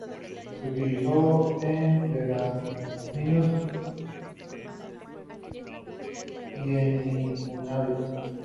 Se utilizó en pergaminos y en incunables.